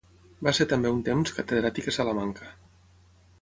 Va ser també un temps catedràtic a Salamanca.